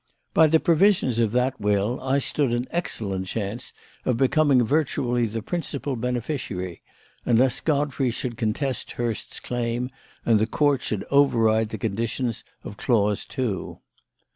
By the provisions of that will I stood an excellent chance of becoming virtually the principal beneficiary, unless Godfrey should contest Hurst's claim and the Court should override the conditions of clause two.